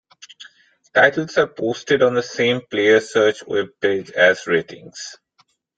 Titles are posted on the same Player Search web page as ratings.